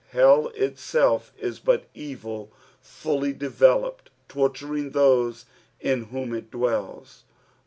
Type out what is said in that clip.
Hell itself ia but evil fully developed, torturing those in whom it dwells.